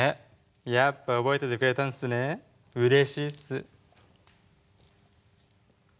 やっぱ覚えててくれたんすねうれしいっす。